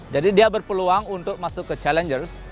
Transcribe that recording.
jadi dia berpeluang untuk masuk ke challengers